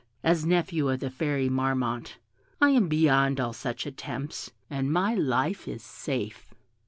As nephew of the Fairy Marmotte I am beyond all such attempts, and my life is safe."